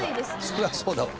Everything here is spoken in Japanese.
それはそうだわ。